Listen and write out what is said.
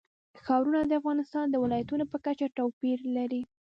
ښارونه د افغانستان د ولایاتو په کچه توپیر لري.